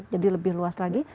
jadi lebih luas lagi